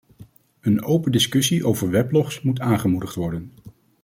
Een open discussie over weblogs moet aangemoedigd worden.